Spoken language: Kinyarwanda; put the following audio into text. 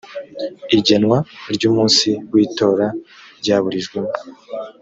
igenwa ry ‘umunsi w’itora ryaburijwemo`